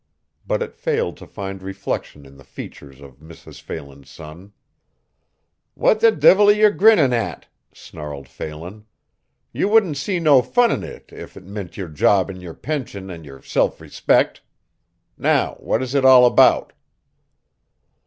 But it failed to find reflection in the features of Mrs. Phelan's son. "What the divvil are ye grinnin' at?" snarled Phelan. "Ye wouldn't see no fun in it if it mint your job an' your pension an' your silf respect. Now, what is it all about?"